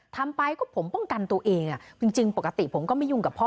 ทำไปก็ผมป้องกันตัวเองจริงปกติผมก็ไม่ยุ่งกับพ่อ